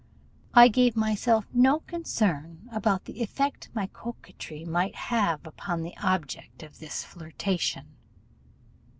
I gave myself no concern about the effect my coquetry might have upon the object of this flirtation.